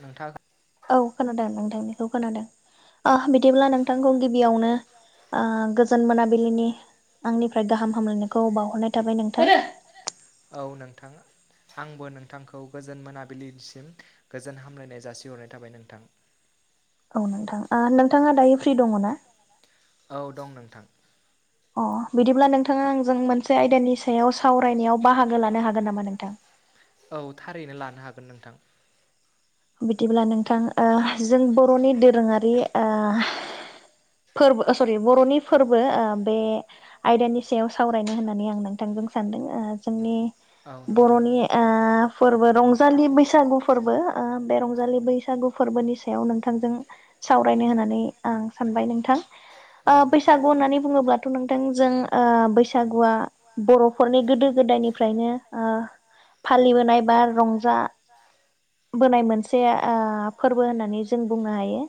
नोंथाङां औ खोनादों नोंथांनिखौ खोनादों। ओ बिदिब्ला नोंथांखौ गिबियावनो गोजोन मोनाबिलिनि आंनिफ्राय गाहाम हामलायनायखौ बावहरनाय थाबाय नोंथां थाङा आंबो नोंथांखौ गोजोन मोनाबिलिनिसिम गोजोन हामलायनाय जासिहरनाय थाबाय नोंथां [unintelligible] औ नोंथां ओ नोंथाङा दायो फ्रि दङ ना औ दं नोंथां। अ बिदिब्ला नोंथाङा आंजों मोनसे आयदानि सायाव सावरायनायाव बाहागो लानो हागोन नामा नोंथां औ थारैनो लानो हागोन नोंथां बिदिब्ला नोंथां ओ जों बर'नि दोरोङारि ओ [unintelligible] फोरबो अ सरि बर'नि फोरबो ओ बे आयदानि सायाव सावरायनो होननानै आं नोंथांजों सानदों ओ जोंनि बर'नि ओ फोरबो रंजालि बैसागु फोरबो बे रंजालि बैसागु फोरबोनि सायाव नोंथांजों सावरायनो होननानै आं सानबाय नोंथां बैसागु होननानै बुङोब्लाथ' नोंथांजों ओ बैसागुआ बर'फोरनि गोदो गोदाय दायनिफ्रायनो ओ फालिबोनाय बा रंजा बोनाय मोनसे ओ फोरबो होननानै जों बुंनो हायो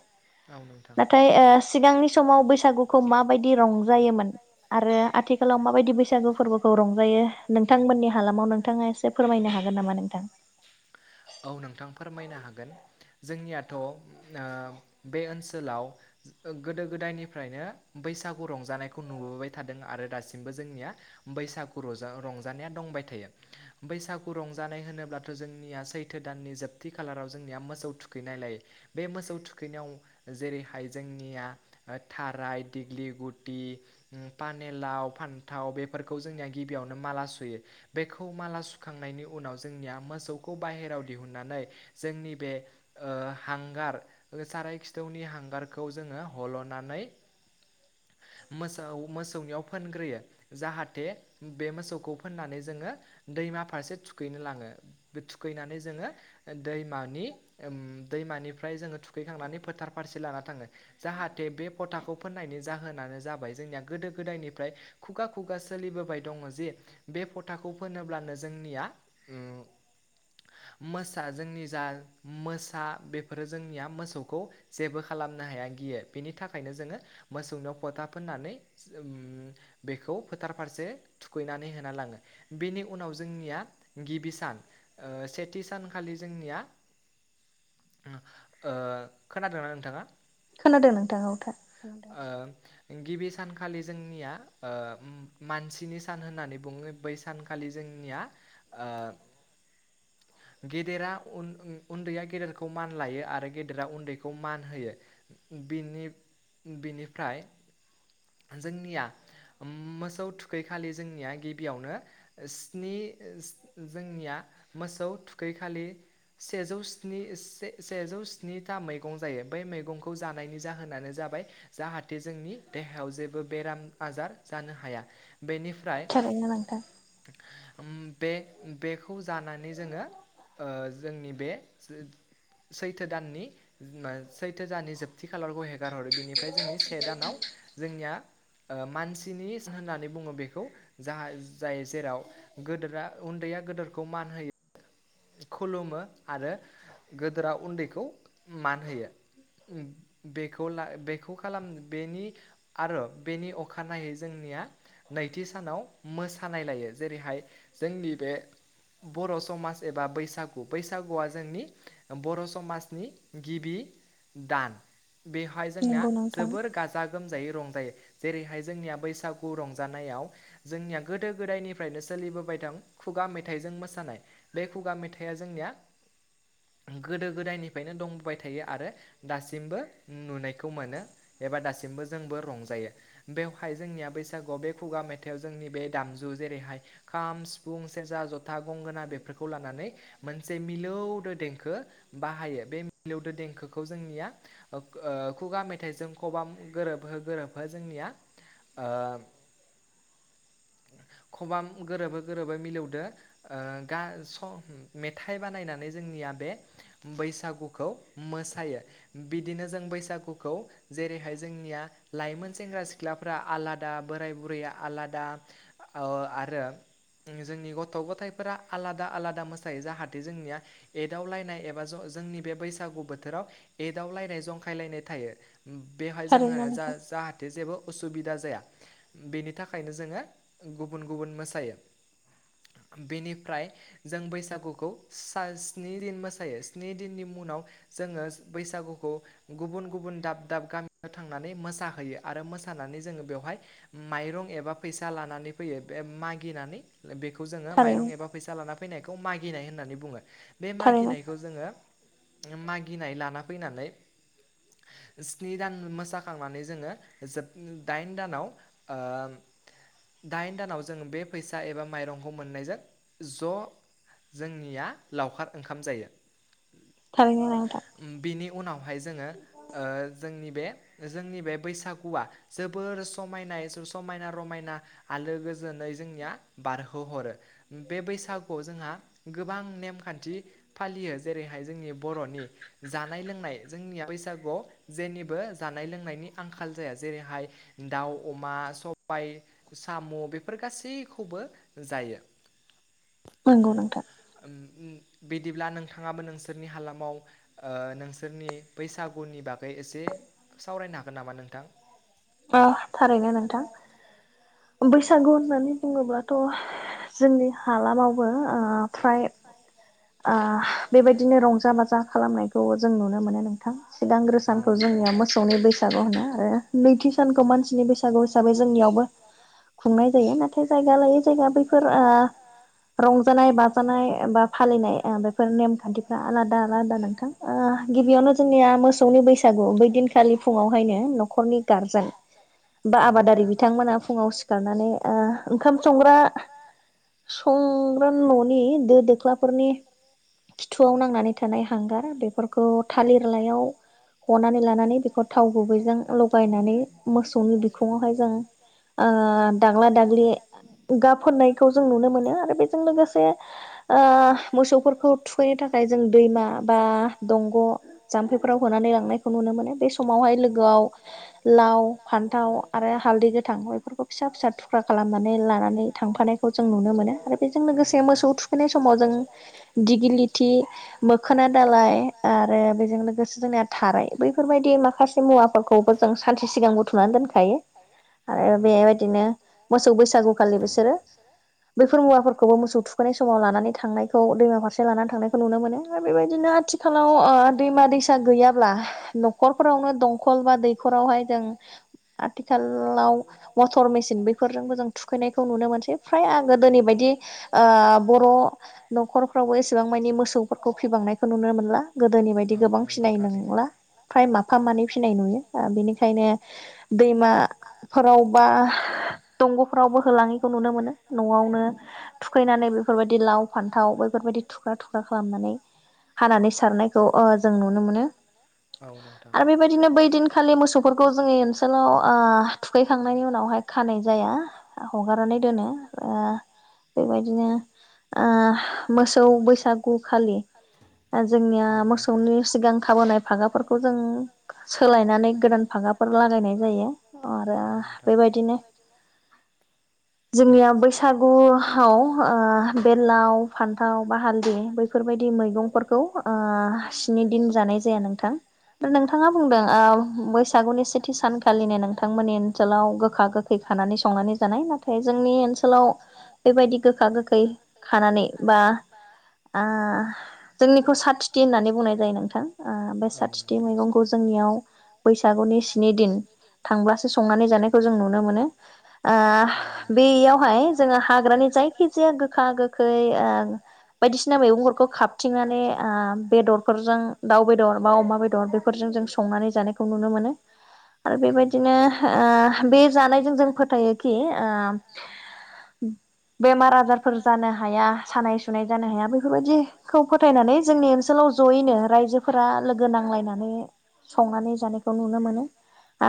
नाथाय सिगांनि समाव बैसागुखौ माबायदि रंजायोमोन आरो आथिखालाव माबायदि बैसागु फोरबोखौ रंजायो नोंथांमोननि हालामाव नो नोंथाङा एसे फोरमायनो हागोन नामा नोंथां फोरमायनो हागोन जोंनियाथ' ओ बे ओनसोलाव गोदो- गोदायनिफ्रायनो बैसागु रंजानायखौ नुबोबाय थादों आरो दासिमबो जोंनिया बैसागु रजा रंजानाया दंबाय थायो। बैसागु रंजानाय होनोब्लाथ' जोंनिया सैथो दाननि जोबथि खालाराव जोंनिया मोसौ थुखैनाय नै बे मोसौ थुखैनायाव जेरैहाय जोंनिया थाराय, दिग्लि गु दि पानिलाव फानथाव बेफोरखौ जोंनिया गिबियावनो माला सुयो बेखौ माला सुखांनायनि उनाव जोंनिया मोसौखौ बाहेरायाव दिहुननानै जोंनि बे ओ हांगार साराय ओ खिथौवनि हांगारखौ जोङो हल'नानै मोसौ मोसौनियाव फोनग्रोयो जाहाथे बे मोसौखौ फोननानै जोङो दैमा फारसे‌ थुखैनो लाङो बि थुखैनानै जोङो दैमानि ओम दैमानिफ्राय जोङो थुखैखांनानै फोथार फारसे लाना थाङो जाहाथे बे फथाखौ फोननायनि जा जाहोनानो जाबाय जोंनिया गोदो - गोदायनिफ्राय खुगा -खुगा सोलिबोबाय दङ जे बे फट थाखौ फोनोब्लानो जोंनिया ओ- मोसा जोंनि जा मोसा बेफोरो जोंनिया मोसौखौ जेबो खालाम। मनो हाया गियो बेनि थाखायनो जोङो मोसौनियाव फथा फोननानै ओम- बेखौ। फोथार फारसे थुखैनानै होना लाङो। बेनि उनाव जोंनिया गिबि सान ओ- सेथि सानखालि जोंनिया ओं-ओ-खोनादोंनाना नोंथाङा? खोनादों नोंथां औथा खोनादों सान खालि जोंनिया ओ-ओम मानसिनि सान होननानै बुंङो बै सानखालि जोंनिया ओ- गेदेरा उन उन उन्दैया गेदेरखौ मान लायो आरो गेदेरा उन्दैखौ मान होयो। बिनि बिनिफ्राय जोंनिया मोसौ थुखैखालि जोंनिया गि बियावनो स्नि जोंनिया मोसौ थुखैखालि सेजौ स्नि सेजौ स्निथा मैगं जायो बै मैगंखौ जानायनि जाहोनानो जाबाय बाय जाहाथे जोंनि देहायाव जेबो बेराम आजार जानो हाया बेनि फ फ्राय ना नोंथां ओम- बेग बेखौ जानानै जोङो ओ जोंनि बे ज सैथो दाननि ओ‌-सैथो दाननि जोबथि खालारखौ हेगार हरो बेनिफ्राय जोंनि से दानाव जोंनिया मानसिनि स होननानै बुङो बेखौ जाहा जाय जेराव गोदोरा उन्दैया गोदोरखौ मान होयो खुलुमो आरो गोदोरा उन्दैखौ मान होयो। ओम बेखौ ला बेखौ खालाम बेनि‌ आरो बेनि अखानायै जों निया नैथि सानाव मोसालायलायो जेरैहाय जोंनि बे बर' समास एबा बैसागु बैसागुआ जोंनि बर' समाजनि गिबि दान बेवहाय जोंना जोबोर गोजा गोमजायो रंजायो जेरैहाय जोंनिया बैसागु रंजानायाव जोंनिया गोदो गोदायनिफ्रायनो सोलिबोबाय दं खुगा मेथाइजों मोसानाय बे खुगा मेथाइआ जोंनिया गोदो गोदायनिफायनो दंबोबाय थायो आरो दासिमबो नुनायखौ मोनो। एबा दासिमबो जोंबो रंजायो बेवहाय जोंनिया बैसागु बे खुगा मेथाइआव जोंनि बे दामजु जेरैहाय खाम सिफुं सेरजा जथा गंगोना बेखौ फोरखौ लानानै मोनसे मिलौदो देंखो बाहायो बे मिलौदो देंखोखौ जोंनिया ओ खुगा मेथाइजों खबाम गोरोबह गोरोबह जोंनिया ओ- [inaudible] [unintelligible] खबाम गोरोबो गोरोबो मिलौदो ओ गा स मेथाइ बानायनानै जोंनिया बे बैसागुखौ मोसायो बिदिनो जों बैसागुखौ जेरै हाय जोंनिया लाइमोन सेंग्रा सिख्लाफ्रा आलादा बोराय बुरैया आलादा औ आरो ओं जोंनि गथ' गथाइफोरा आलादा आलादा मोसायो जाहाथे जोंनिया एदाव लायनाय एबा ज जोंनि बे बैसागु बोथोराव एदावलायनाय जंखायलायनाय थायो। बेवहाय जोंहा जा जाहाथे जेबो उसुबिदा जाया बेनि थाखायनो जोङो गुबुन गुबुन मोसायो। बेनिफ्राय जों बैसागुखौ सान स्नि दिन मोसायो स्नि दिननि मुं जोङो बैसागुखौ गुबुन-गुबुन दाब-दाब गामियाव थांनानै मोसाहैयो आरो मोसानानै जोंबेवहाय माइरं एबा फै लानानै फै मागिनानै बे जोङो माइरं एबा फै लानानै फैनायखौ मागिनाय होननानै बुङो बे मागिनायखौ जोङो मागिनाय लाना फैनानै स्नि दान मोसाखांनानै जोङो जोब दाइन दानाव दाइन दानाव जों बे फैसा एबा माइरंखौ मोननायजों ज' जोंनिया लावखार ओंखाम जायो। थारैनो नोंथां उनावहाय जोङो ओ जोंनि बे जोंनि बे बैसागुआ जोबोर समायनाय-समायना रमायना आलो गोजोनै जोंनिया बारहोहरो बे बैसागुआव जोंहा गोबां नेमखान्थि फालियो जेरैहाय जोंनि बर'नि जानाय लोंनाय जोंनिया बैसागु - गुआव जेनिबो जानाय लोंनायनि आंखाल‌जाया जेरैहाय दाव अमा स सबाय साम' बेफोर गासैखौबो जायो। नोंगौ नोंथां। उम बिदिब्ला नोंथाङाबो नोंसोरनि हालामाव ओ नोंसोरनि बैसागुनि बागै एसे सावरायनो हागोन नामा नोंथां। अ थारैनो नोंथां। बैसागु होननानै बुङोब्लाथ' जोंनि हालामावबो ओ फ्राय ओ बेबायदिनो रंजा बाजा खालामनायखौ जों नुनो मोनो नोंथां सिगांग्रो सानखौ जोंनिया मोसौनि बैसागु गु होना आरो नैथि सानखौ मानसिनि बैसागु हिसाबै जोंनियावबो आवबो खुंनाय जायो नाथाय जायगा लायै जायगा बैफोर ओ रंजानाय बाजानाय बा फालिनाय बेफोर नेमखान्थि आलादा-आलादा नोंथां ओ गिबियावनो जोंनिया मोसौनि बैसागु बैदिनखालि फुङावहायनो न'खनि गारजेन बा आबाद बिथांमोना फुङाव सिखारनानै ओंखाम संग्रा संग्रां न'नि दो दोख्लाफोरनि खिथुवाव नांनानै थानाय हांगारफोरखौ थालिर लायाव हनानै लानानै बेखौ थाव गुबैजों लगायनानै मोसौनि बिखुङावहाय जों ओ दाग्ला दाग्लि गाब होननायखौ जों नुनो मोनो आरो बेजों लोगोसे ओ मोसौफोरखौ थुखैनो थाखाय ताकात जों दैमा बा दंग' जाम्फैफोराव होनानै लांनायखौ नुनो मोनो बे समावहाय लोगो आव लाव फान्थाव आरो हाल गोथ फोरखौ फिसा फिसा थुख्रा खालामनानै लानानै थांफानायखौ जों नुनो मोनो आरो बेजों लोगोसे मोसौ थुखैनाय समाव समाव जों दिगिलि थि मोखोना दालाय आरो बेजों लोगोसे जोंनिया थाराय बैफोरबायदि माखासे मुवाफोरखौबो जों सानसे सिगां बुथुमनानै दोनखायो आरो बेबायदिनो मोसौ बैसागुखालि बिसोरो बैफोर मुवाफोरखौबो मोसौ थुखोननाय समाव लानानै थांनायखौ दैमा फारसे लानानै थांनायखौ नुनो मोनो आरो बेबायदिनो आथिखालाव दैमा-दैसा गैयाब्ला न'खरफोराव नो दंखल बा दैखरावहाय जों आथिखालाव मटर मेसिन बैफोरजोंबो जों थुखैनायखौ नुनो मोनसै फ्राय आ गोदोनि बायदि ओ बर' न'खरफ्राव बो एसिबां मानि मोसौफोरखौ फिबांनायखौ नुनो मोनला गोदोनि बायदि गोबां फिनाय नंला फ्राय माफा मानै फिसिनाय नुयो बेनिखायनो दैमाफोराव बा दंग'फ्रावबो होलाङैखौ नुनो मोनो न'आवनो थुखैनानै बेफोरबायदि लाव फान्थाव बेफोरबायदि थुख्रा थुख्रा खालामनानै हानानै सारनायखौ ओ जों नुनो मोनो औ नोंथां आरो बेबायदिनो बखालि खौ जोंनि ओनसोलाव ओ थुखैखांनाय नि उनावहाय खानाय जाया हगारनानै दोनो ओ बेबायदिनो ओ मोसौ बैसागु खालि ओ जोंनिया मोसौनि सिगां खाबोनाय फागाफोरखौ जों उम सोलायनानै गोदान फागाफोर लागायनाय जायो आरो बेबायदिनो जोंनिया बैसागुआव ओ बेलाव फान्थाव बा हालदि बैफोरबायदि मैगंफोरखौ स्नि दिन जानाय जाया नोंथां नोंथांङा बुंदों आव बैसागुनि सेथि सानखालिनो नोंथांमोननि ओनसोलाव गोखा गोखै खानानै संनानै जानाय नाथाय जोंनि ओनसोलाव बेबायदि गोखा गोखै खानानै बा बा ओ जोंनिखौ साथिथि होननानै बुंनाय जायो नोंथां ओ बे साथिथि मैगंखौ जोंनिया आव बैसागुनि स्नि दिन थांब्लासो सं नानै जानायखौ नुनो मोनो ओ बेयावहाय जोंङो हाग्रानि जायखि जाया गो गोखा गोखै ओ बायदिसिना मैगंफोरखौ खाथिंनानै ओ बेदरफोरजों दाउ बेदर बा अमा बेदर बेफोरजों जों संनानै जानायखौ नुनो मोनो आरो बेबायदिनो ओ बे जानायजों जों फोथायोखि ओ बेमार आजारफोर जानो हाया सानाय सु सुनाय जानो हाया बेफोरबायदिखौ फोथायनानै जोंनि ओनसोलाव जयैनो रायजोफोरा लोगो नांलायनानै ने संनानै जानायखौ नुनो मोनो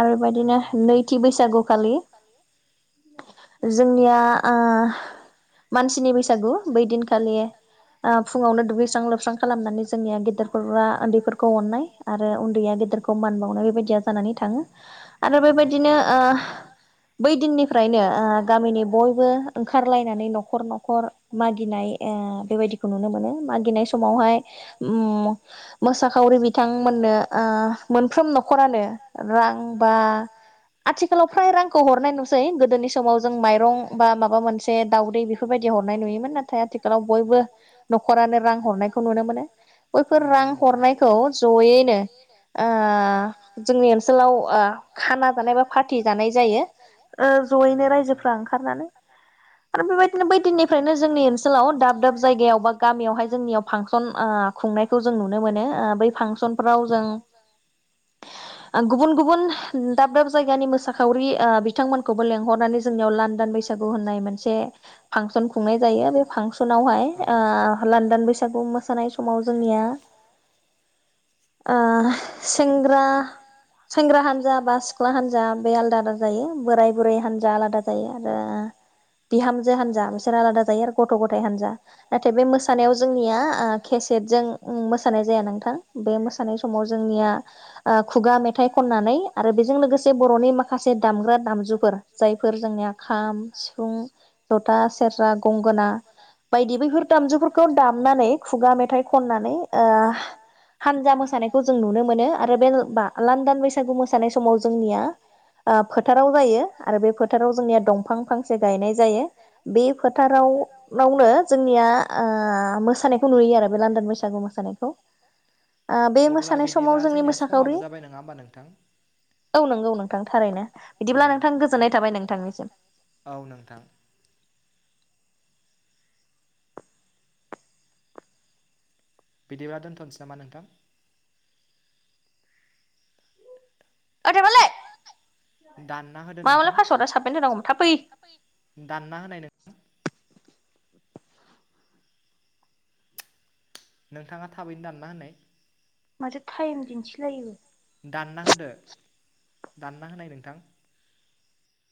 आरो बेबायदिनो नैथि बैसागु खालि जोंनिया ओ मानसिनि बैसागु बै दिनखालि ओ फुङावनो दुगैस्रां लोबस्रां खालामनानै जोंनिया गेदेरफोरा उन्दैफोरखौ अननाय आरो उन्दैया गेद देरखौ मान बावनाय बेबायदिया जानानै थांङो आरो बेबायदिनो ओ बै दिननिफ्रायनो ओ गामिनि बयबो ओंखारलायनानै न'खर न'खर मागिनाय जों बेबायदिखौ नुनो मोनो मागिनाय समावहाय उम मोसाखावरि बिथांमोनो ओ मोनफ्र न'खरानो रां बा आथिखालाव फ्राय रांखौ हरनाय नुसै गोदोनि समाव जों माइरं बा माबा मोनसे दाउदै बेफोरबायदि हरनाय नुमोन नाथाय आथिखालाव बयबो न'खरानो रां हरनायखौ नुनो मोनो बैफोर रां हरनायखौ जयैनो ओ जोंनि ओ ओनोलाव ओ खा जानाय बा पार्टि जानाय जायो ओ जयैनो रायजोफ्रा ओंखारनानै। आरो बेबायदिनो बै दिननिफ्रायनो जोंनि ओनसोलाव दाब दाब जायगायाव बा गामियावहाय जोंनियाव फांसन ओ खुंनायखौ जों नुनो मोनो ओ बै फांसनफ्राव [unintelligible] ओ गुबुन गुबुन दाब दाब जायगाया मोसाखावि ओ बिथांमोनखौबो लेंहरनानै जोंनियाव लांदान बैसागु होननाय मोनसे फांसन खुंनाय जायो बे फांसन नावहाय ओ लांदान बैसागु मोसानाय समाव जोंनिया ओ सेंग्रा सेंग्रा हानजा बा सिख्ला हानजा बे आलादा आलादा जायो बोराय बुरै हानजा आलादा जायो आरो बिहामजो हान्जा बिसोर आलादा जायो आरो गथ' गथाय हा हान्जा ना बे मोसानायाव जोंनिया ओ केसेजों मोसानाय जाया नोंथां बे मोसानाय बे समाव जोंनिया ओ खुगा मेथाइ खनानै आरो बे जों लोगोसे बर'नि माखासे दामग्रा दामजुफोर जायफोर जोंनिया खाम सिफुं जथ बा सेरजा गंगोना बायदि बैफोर दामजुफोरखौ दामनानै खुगा मेथाइ खननानै ओ हानजा मोसानाय जोंखौ जों नुनो मोनो आरो बे बा लांन्दां बैसागु मोसानाय समाव जोंनिया ओ फोथाराव जायो आरो बे फोथाराव जोंनिया दंफां फांसे गायनाय जायो। बे फोथारावनाव जोंनिया ओ मोसानायखौ नुयो आरो बे लान्डान बैसागु मोसानायखौ। अब्ला बिदिबा जोंनिया समाबो जाबाय नङा होमबा नोंथां। औ नंगौ नोंथां थारैनो बिदिब्ला नोंथां गोजोननाय थाबाय नोंथांनिसिम औ नोंथां बिदिब्ला दोनथ'नोसै नामा नोंथां दानना होदो नोंथां दानना होनाय नोंथां नोंथाङा थाबैनो दानना होनाय माथो टाइम दिन्थिलायोबो दानना होदो दानना होनाय नोंथां